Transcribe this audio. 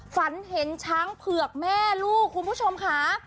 ฝันเห็นช้างเผือกแม่ลูกคุณผู้ชมค่ะ